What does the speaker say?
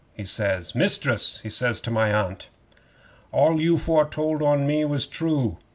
he says. "Mistress," he says to my Aunt, "all you foretold on me was true.